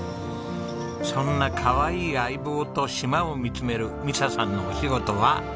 そんなかわいい相棒と島を見つめる美砂さんのお仕事は新聞記者なんです。